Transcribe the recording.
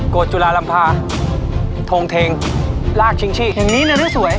โกดจุฬารัมภาทงเทงรากชิงชิอย่างนี้เนื้อดูสวย